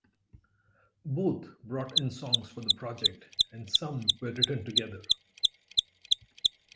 Both brought in songs for the project and some were written together.